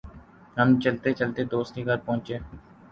ہم چلتے چلتے دوست کے گھر پہنچے ۔